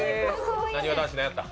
なにわ男子何やった？